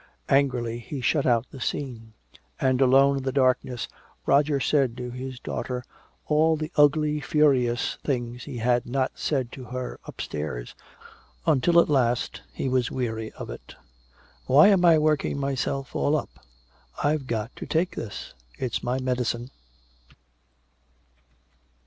Angrily he shut out the scene. And alone in the darkness, Roger said to his daughter all the ugly furious things he had not said to her upstairs until at last he was weary of it. "Why am I working myself all up? I've got to take this. It's my medicine."